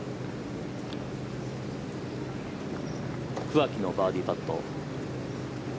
桑木のバーディーパット。